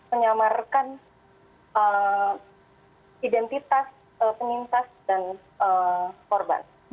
menyamarkan identitas penyintas dan korban